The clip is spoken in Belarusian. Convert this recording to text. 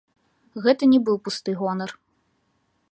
Гэта не быў пусты гонар.